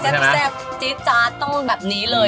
สายซับจี้จ้าเติ่ลต้นแบบนี้เลย